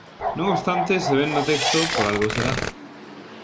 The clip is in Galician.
Non obstante, se vén no texto, por algo será.